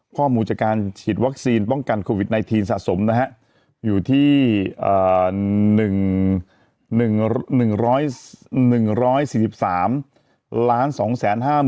ข้อมูลจากการฉีดวัคซีนป้องกันโควิด๑๙สะสมนะฮะอยู่ที่๑๔๓๒๕๐๐๐